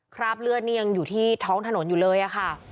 คราบเลือดนี่ยังอยู่ที่ท้องถนนอยู่เลยค่ะ